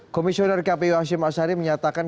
komisioner kapiwak syim asari menyatakan